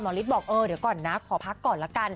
หมอลิฟต์บอกเดี๋ยวก่อนนะขอพักก่อนละกัน